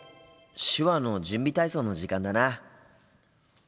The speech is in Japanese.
手話の準備体操の時間だな。